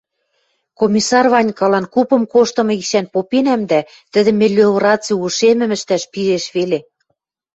— Комиссар Ванькалан купым коштымы гишӓн попенӓм дӓ, тӹдӹ мелиораци ушемӹм ӹштӓш пижеш веле.